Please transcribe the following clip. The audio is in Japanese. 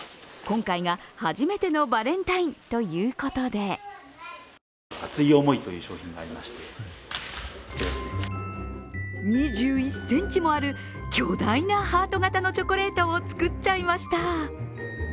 今回が初めてのバレンタインということで２１ｃｍもある巨大なハート形のチョコレートを作っちゃいました。